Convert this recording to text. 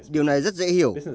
điều này rất dễ hiểu